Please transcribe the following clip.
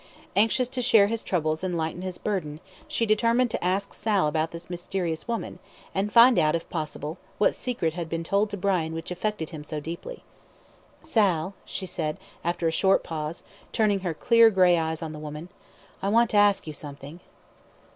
Anxious to share his troubles and lighten his burden, she determined to ask Sal about this mysterious woman, and find out, if possible, what secret had been told to Brian which affected him so deeply. "Sal," she said, after a short pause, turning her clear grey eyes on the woman, "I want to ask you something."